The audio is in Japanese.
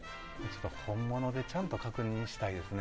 本物でちゃんと確認したいですね。